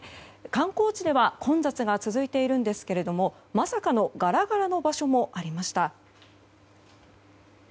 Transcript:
観光地では混雑が続いているんですけれどもまさかのガラガラの場所もありました。